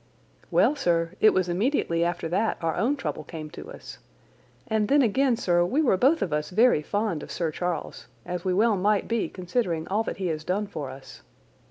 "Well, sir, it was immediately after that our own trouble came to us. And then again, sir, we were both of us very fond of Sir Charles, as we well might be considering all that he has done for us.